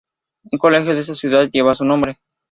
Un colegio de esa ciudad lleva su nombre.